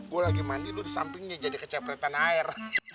gue lagi mandi lo di sampingnya jadi kecepretan air